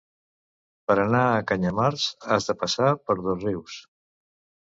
Per anar a Canyamars has de passar per Dosrius.